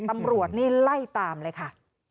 ตำรวจนี่ไล่ตามเลยค่ะ